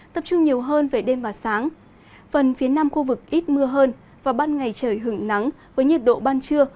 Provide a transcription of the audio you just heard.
tập trung nhiều hơn về đêm và sáng phần phía nam khu vực ít mưa hơn và ban ngày trời hứng nắng với nhiệt độ ban trưa